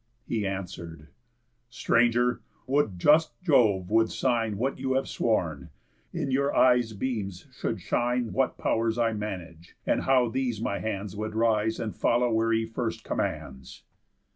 He answer'd: "Stranger! Would just Jove would sign What you have sworn! In your eyes' beams should shine What pow'rs I manage, and how these my hands Would rise and follow where he first commands."